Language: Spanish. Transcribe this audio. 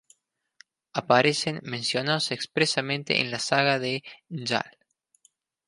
Aparecen mencionados expresamente en la "saga de Njál".